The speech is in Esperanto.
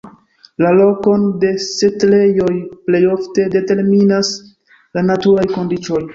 La lokon de setlejoj plej ofte determinas la naturaj kondiĉoj.